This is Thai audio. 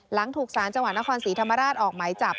หลังถูกสารจังหวัดนครศรีธรรมราชออกหมายจับ